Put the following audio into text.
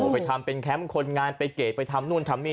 ไปทำเป็นแคมป์คนงานไปเกรดไปทำนู่นทำนี่